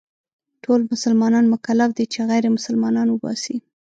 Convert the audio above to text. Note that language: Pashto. ټول مسلمانان مکلف دي چې غير مسلمانان وباسي.